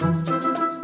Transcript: ini kita lihat